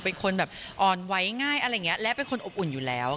เป็นคนแบบอ่อนไว้ง่ายอะไรอย่างนี้และเป็นคนอบอุ่นอยู่แล้ว